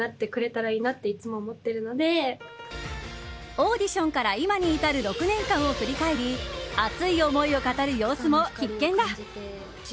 オーディションから今に至る６年間を振り返り熱い思いを語る様子も必見だ。